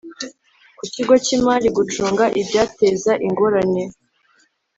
Ku kigo cy imari gucunga ibyateza ingorane